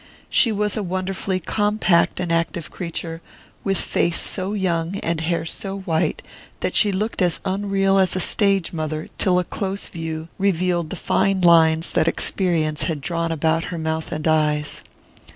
She was a wonderfully compact and active creature, with face so young and hair so white that she looked as unreal as a stage mother till a close view revealed the fine lines that experience had drawn about her mouth and eyes.